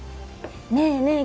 ねえねえ